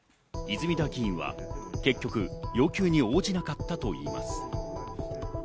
泉田議員は結局、要求に応じなかったといいます。